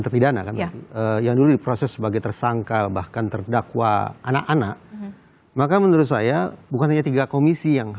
terpidana yang dulu proses sebagai tersangkal bahkan terdakwa anak anak maka menurut saya bukan